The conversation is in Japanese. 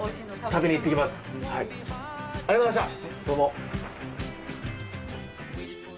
どうも。